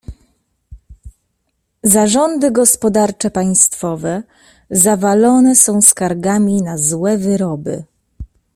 "Zarządy gospodarcze państwowe zawalone są skargami na złe wyroby."